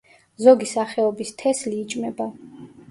ზოგი სახეობის თესლი იჭმება.